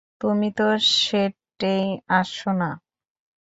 তুমি তো সেটেই আসোনা।